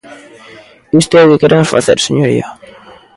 Isto é o que queremos facer, señoría.